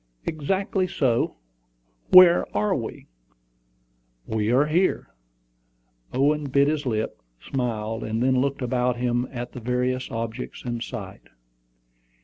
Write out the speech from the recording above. "Exactly so. Where are we?" "We are here." Owen bit his lip, smiled, and then looked about him at the various objects in sight.